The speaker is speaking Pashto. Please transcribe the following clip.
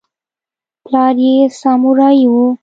پلار یې سامورايي و.